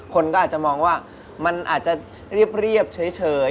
คนก็อาจจะมองว่ามันอาจจะเรียบเฉย